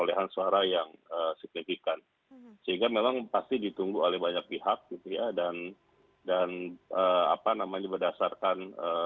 bukan hanya elit politik yang sedang menunggu tetapi juga masyarakat